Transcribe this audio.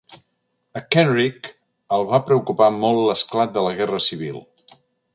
A Kenrick el va preocupar molt l'esclat de la Guerra Civil.